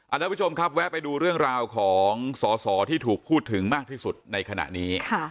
ทุกผู้ชมครับแวะไปดูเรื่องราวของสอสอที่ถูกพูดถึงมากที่สุดในขณะนี้